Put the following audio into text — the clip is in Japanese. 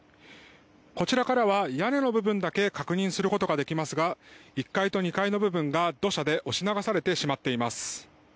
こちらからは屋根の部分だけ確認することができますが１階と２階の部分が、土砂で押し流されてしまっています。